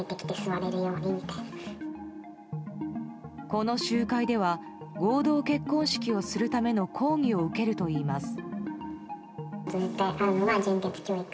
この集会では合同結婚式をするための講義を受けるといいます。